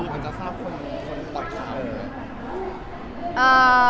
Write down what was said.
หอมมันจะฆ่าคนปล่อยขาวเลยหรือเปล่า